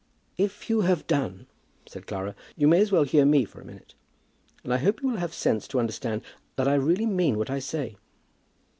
"If you have done," said Clara, "you may as well hear me for a minute. And I hope you will have sense to understand that I really mean what I say."